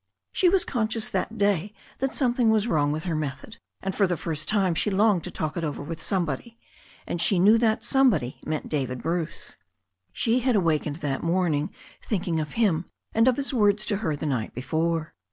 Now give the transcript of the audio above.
She was conscious that day that something was wrong with her method, and for the first time she longed to talk it over with somebody, and she l:new the somebody meant David Bruce. She had awakened that morning thinking of him, and of his words to her the night before.